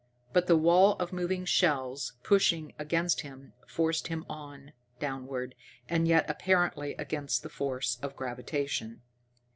But the wall of moving shells, pushing against him, forced him on, downward, and yet apparently against the force of gravitation.